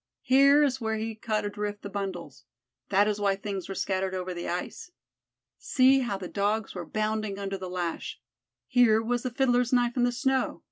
Here is where he cut adrift the bundles. That is why things were scattered over the ice. See how the Dogs were bounding under the lash. Here was the Fiddler's knife in the snow.